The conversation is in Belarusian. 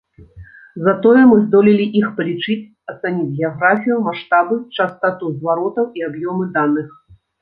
Затое мы здолелі іх палічыць, ацаніць геаграфію, маштабы, частату зваротаў і аб'ёмы даных.